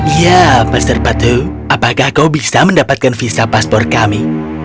ya master patu apakah kau bisa mendapatkan visa paspor kami